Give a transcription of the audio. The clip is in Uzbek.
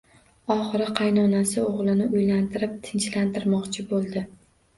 Oxiri qaynonasi o`g`lini uylantirib tinchlantirmoqchi bo`ldi